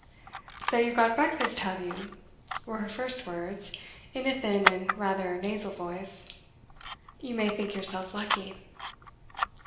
'So you've got breakfast, have you?' were her first words, in a thin and rather nasal voice. 'You may think yourselves lucky.